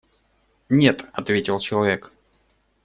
Нет, – ответил человек.